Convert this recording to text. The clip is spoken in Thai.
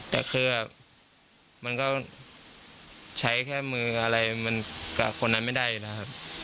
แต่คือมันก็ใช้แค่มืออะไรมันกับคนนั้นไม่ได้นะครับ